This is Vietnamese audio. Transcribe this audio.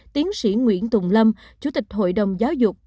tiến sĩ nguyễn tùng lâm chủ tịch hội đồng giáo dục